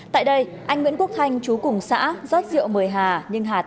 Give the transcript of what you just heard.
tại đây anh nguyễn quốc thanh chú cùng xã giót rượu mời hà